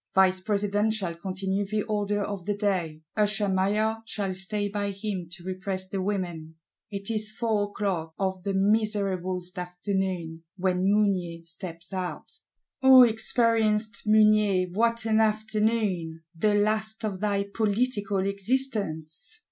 Vice President shall continue the order of the day; Usher Maillard shall stay by him to repress the women. It is four o'clock, of the miserablest afternoon, when Mounier steps out. O experienced Mounier, what an afternoon; the last of thy political existence!